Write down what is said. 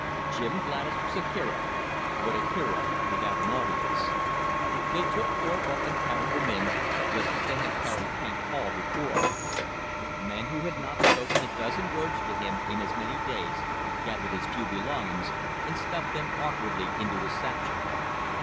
Jim Gladys was a hero, but a hero without an audience. They took Thorpe up and carried him in, just as they had carried Hank Paul before. Men who had not spoken a dozen words to him in as many days gathered his few belongings and stuffed them awkwardly into his satchel.